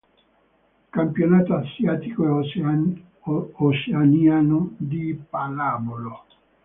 Campionato asiatico e oceaniano di pallavolo